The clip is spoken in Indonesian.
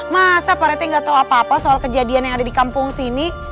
masa pak rete gak tahu apa apa soal kejadian yang ada di kampung sini